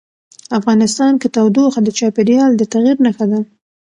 افغانستان کې تودوخه د چاپېریال د تغیر نښه ده.